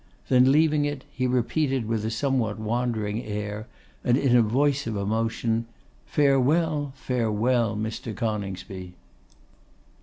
Then leaving it, he repeated with a somewhat wandering air, and in a voice of emotion, 'Farewell, farewell, Mr. Coningsby.